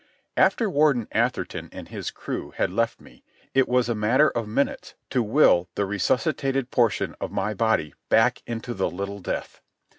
After Warden Atherton and his crew had left me it was a matter of minutes to will the resuscitated portion of my body back into the little death.